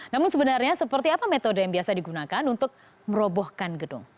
namun sebenarnya seperti apa metode yang biasa digunakan untuk merobohkan gedung